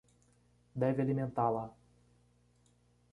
Deve alimentá-la.